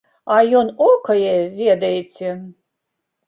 А ён окае, ведаеце.